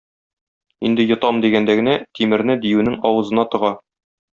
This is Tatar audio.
Инде йотам дигәндә генә, тимерне диюнең авызына тыга.